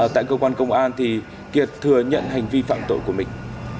tại cơ quan công an kiệt thừa nhận hành vi phạm tội của mình